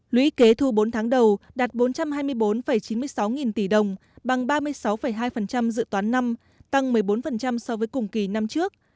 lũy kế thu bốn tháng đầu đạt bốn trăm hai mươi bốn chín mươi sáu nghìn tỷ đồng bằng ba mươi sáu hai dự toán năm tăng một mươi bốn so với cùng kỳ năm trước